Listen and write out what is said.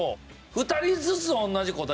２人ずつ同じ答えですね。